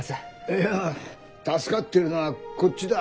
いや助かってるのはこっちだ。